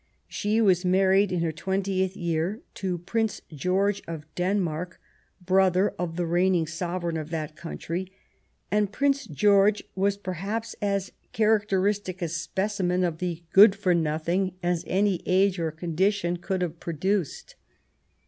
She was married in her twentieth year to Prince George of Denmark, brother of the reigning sovereign of that country, and Prince George was perhaps as character istic a specimen of the good for nothing as any age or condition could have produced.